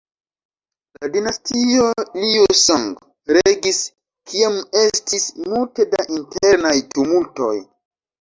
La dinastio Liu Song regis kiam estis multe da internaj tumultoj.